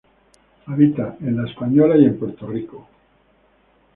Habita en La Española y Puerto Rico.